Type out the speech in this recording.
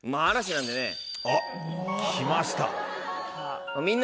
あっきました。